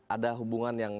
ada hubungan yang